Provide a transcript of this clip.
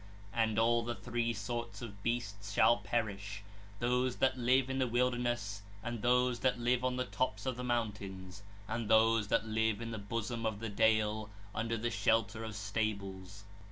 And all the three sorts of beasts shall perish, those that live in the wilderness, and those that live on the tops of the mountains, and those that live in the bosom of the dale, under the shelter of stables.